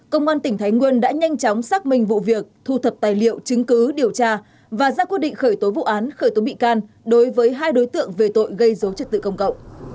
công an tỉnh thái nguyên đã nhanh chóng xác minh vụ việc thu thập tài liệu chứng cứ điều tra và ra quyết định khởi tố vụ án khởi tố bị can đối với hai đối tượng về tội gây dối trật tự công cộng